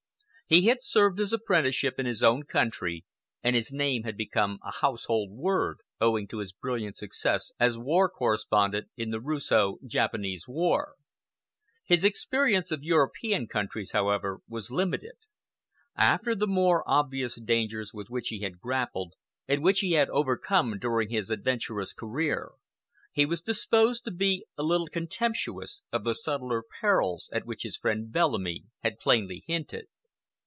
He had served his apprenticeship in his own country, and his name had become a household word owing to his brilliant success as war correspondent in the Russo Japanese War. His experience of European countries, however, was limited. After the more obvious dangers with which he had grappled and which he had overcome during his adventurous career, he was disposed to be a little contemptuous of the subtler perils at which his friend Bellamy had plainly hinted.